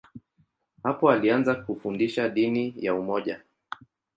Hapo alianza kufundisha dini ya umoja.